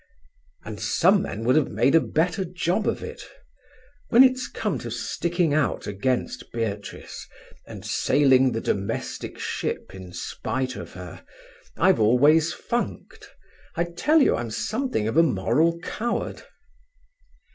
"And some men would have made a better job of it. When it's come to sticking out against Beatrice, and sailing the domestic ship in spite of her, I've always funked. I tell you I'm something of a moral coward."